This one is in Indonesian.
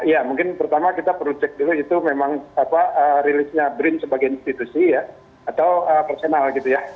ya mungkin pertama kita perlu cek dulu itu memang rilisnya brin sebagai institusi ya atau personal gitu ya